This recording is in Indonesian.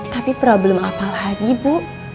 tapi problem apa lagi bu